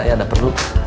ya ada pedut